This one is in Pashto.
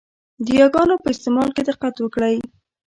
د یاګانو په استعمال کې دقت وکړئ!